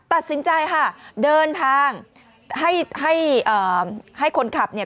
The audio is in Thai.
ตัดสินใจค่ะเดินทางให้ให้คนขับเนี่ย